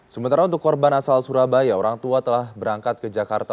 sementara untuk korban asal surabaya orang tua telah berangkat ke jakarta